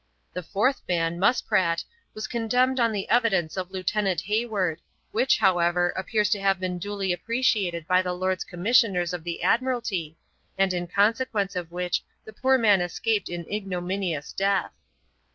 The fourth man, Muspratt, was condemned on the evidence of Lieutenant Hayward, which, however, appears to have been duly appreciated by the Lords Commissioners of the Admiralty, and in consequence of which the poor man escaped an ignominious death.